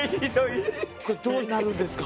これどうなるんですか？